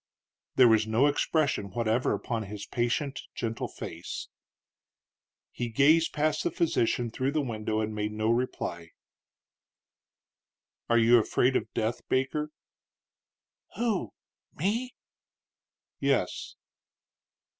There was no expression whatever upon his patient, gentle face. He gazed past the physician through the window and made no reply. "Are you afraid of death, Baker?" "Who? Me?" "Yes."